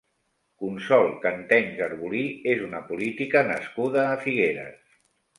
Consol Cantenys Arbolí és una política nascuda a Figueres.